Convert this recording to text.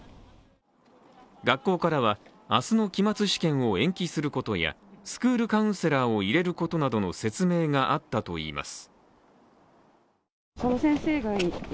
学校からは明日の期末試験を延期することやスクールカウンセラーを入れることなどの説明があったといいます。